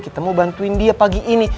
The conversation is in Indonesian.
kita mau bantuin dia pagi ini